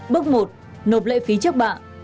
bước một nộp lệ phí trước bạn